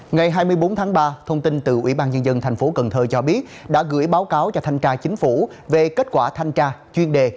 ngày hai mươi bốn tháng ba thông tin từ ubnd tp cn cho biết đã gửi báo cáo cho thanh tra chính phủ về kết quả thanh tra chuyên đề